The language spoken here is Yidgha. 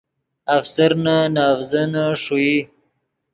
افسرنے نے اڤزینے ݰوئی